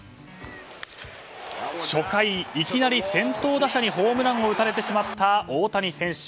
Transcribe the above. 初回、いきなり先頭打者にホームランを打たれてしまった大谷選手。